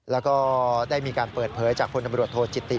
แล้วก็ได้มีการเปิดเผยจากพลตำรวจโทษจิติ